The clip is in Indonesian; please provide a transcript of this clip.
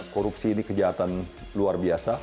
korupsi ini kejahatan luar biasa